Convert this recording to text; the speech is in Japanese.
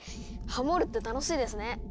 ハモるって楽しいですね。